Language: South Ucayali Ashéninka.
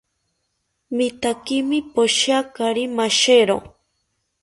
Mitaakimi poshiakari mashero